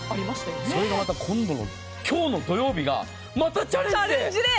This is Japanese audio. それがまた、今日の土曜日がまたチャレンジデー。